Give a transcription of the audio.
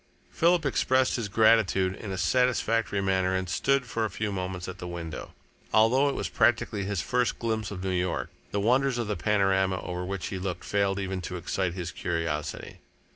Philip expressed his gratitude in a satisfactory manner and stood for a few moments at the window. Although it was practically his first glimpse of New York, the wonders of the panorama over which he looked failed even to excite his curiosity.